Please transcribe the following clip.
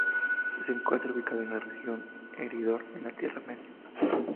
Se encuentra ubicado en la región de Eriador, en la Tierra Media.